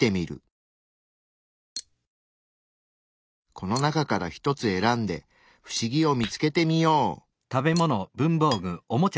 この中から１つ選んで不思議を見つけてみよう。